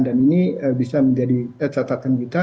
dan ini bisa menjadi catatan kita